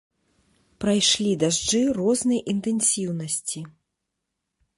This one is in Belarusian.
Прайшлі дажджы рознай інтэнсіўнасці.